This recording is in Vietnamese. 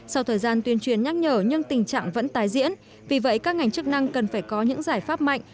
sau thời gian tuyên truyền nhắc nhở nhưng tình trạng vẫn tái diễn vì vậy các ngành chức năng cần phải có những giải pháp mạnh